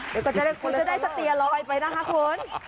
เดี๋ยวก็จะได้สเตียรอยไปนะฮะคน